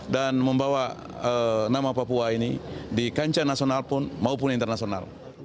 dan membawa nama papua ini di kancah nasional pun maupun internasional